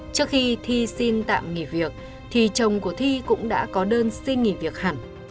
trước khi thi xin tạm nghỉ việc thì chồng của thi cũng đã có đơn xin nghỉ việc hẳn